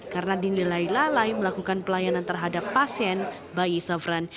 karena dinilai lalai melakukan pelayanan terhadap pasien bayi zafran